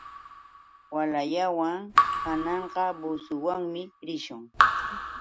Walallawan kananqa busullawanmi lishun.